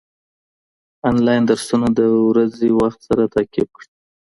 انلاين درسونه د ورځني وخت سره تعقيب کړه.